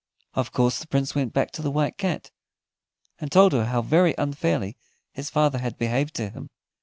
Of course, the Prince went back to the White Cat, and told her how very unfairly his father had behaved to him.